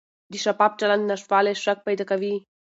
د شفاف چلند نشتوالی شک پیدا کوي